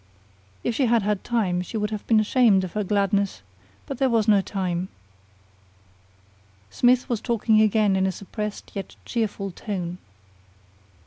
If she had had time she would have been ashamed of her gladness; but there was no time. Smith was talking again in a suppressed yet cheerful tone.